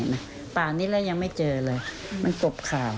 ป่านนี้แล้วยังไม่เจอเลยมันกบข่าว